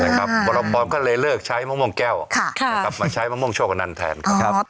แล้วครับวรพรก็เลยเลิกใช้มะม่วงแก้วมาใช้มะม่วงโชกานันต์แทนครับ